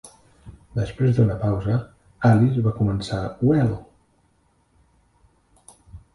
Després d'una pausa, Alice va començar "Well!"